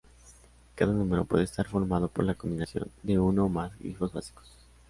Cada número puede estar formado por la combinación de uno o más glifos básicos.